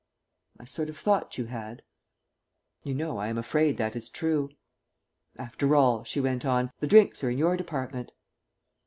"I sort of thought you had." You know, I am afraid that is true. "After all," she went on, "the drinks are in your department."